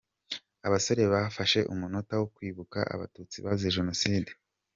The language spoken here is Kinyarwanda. Abasore bafashe umunota wo kwibuka abatutsi bazize Jenoside.